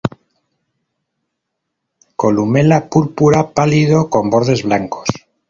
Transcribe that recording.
Columela púrpura pálido con bordes blancos.